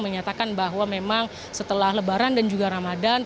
menyatakan bahwa memang setelah lebaran dan juga ramadan